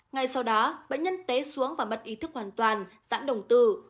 ngay sau đó bệnh nhân té xuống và mất ý thức hoàn toàn tãn đồng tử